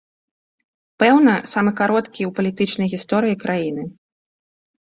Пэўна, самы кароткі ў палітычнай гісторыі краіны.